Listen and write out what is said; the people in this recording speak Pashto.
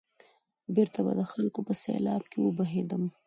بېرته به د خلکو په سېلاب کې وبهېدم.